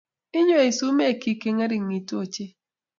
Inywei sumekchik chengeringitu ochei